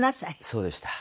そうでした。